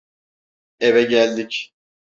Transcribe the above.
Eve geldik.